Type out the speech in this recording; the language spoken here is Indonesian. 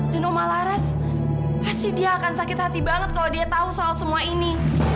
dan umar laras pasti dia akan sakit hati banget kalau dia tahu soal semua ini